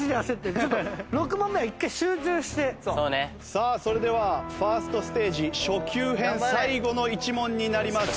さあそれではファーストステージ初級編最後の１問になります。